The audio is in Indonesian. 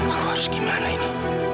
aku harus gimana ini